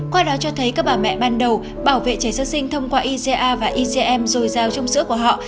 qua đó cho thấy các bà mẹ ban đầu bảo vệ trẻ sơ sinh thông qua iga và igm rồi giao trong sữa của họ